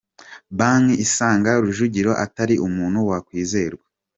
Banki isanga Rujugiro atari umuntu wo kwizerwa